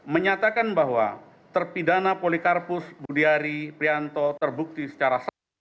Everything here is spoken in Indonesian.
menyatakan bahwa terpidana polikarpus budiari prianto terbukti secara sah